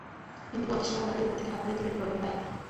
কিন্তু বলটি সীমানাদাগের ওপর থেকে হাত বাড়িয়ে তুলে দেন রনির পায়ে।